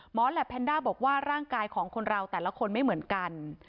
แหลปแพนด้าบอกว่าร่างกายของคนเราแต่ละคนไม่เหมือนกัน